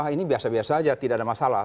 ini biasa biasa saja tidak ada masalah